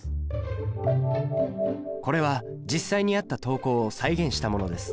これは実際にあった投稿を再現したものです。